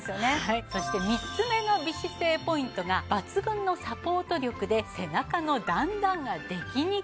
そして３つ目の美姿勢ポイントが抜群のサポート力で背中の段々ができにくいと。